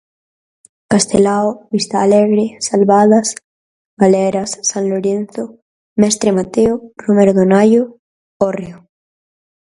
Castelao, Vista Alegre, Salvadas, Galeras, San Lorenzo, Mestre Mateo, Romero Donallo, Hórreo.